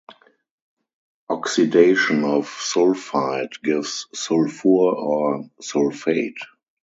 Oxidation of sulfide gives sulfur or sulfate.